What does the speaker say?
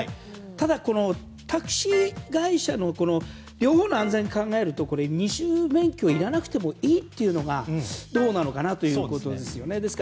ただ、タクシー会社の両方の安全を考えると二種免許がいらなくてもいいというのはどうなのかなということですよね。